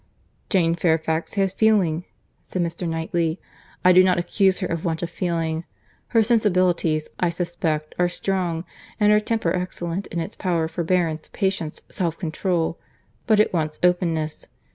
"Jane Fairfax has feeling," said Mr. Knightley—"I do not accuse her of want of feeling. Her sensibilities, I suspect, are strong—and her temper excellent in its power of forbearance, patience, self control; but it wants openness.